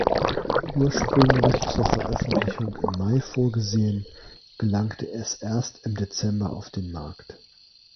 Ursprünglich zur Veröffentlichung im Mai vorgesehen, gelangte es erst im Dezember auf den Markt.